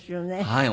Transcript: はい。